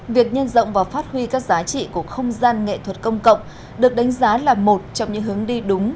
việc nhân rộng và phát huy các giá trị của không gian nghệ thuật công cộng được đánh giá là một trong những hướng đi đúng